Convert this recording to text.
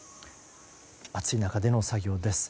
暑い中での作業です。